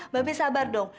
mbak be sabar dong